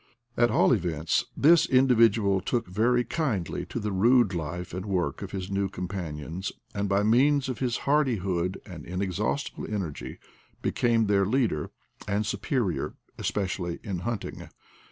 At all events, this individual took very kindly to the rude life and work of his new com panions, and by means of his hardihood and in exhaustible energy, became their leader and su perior, especially in hunting.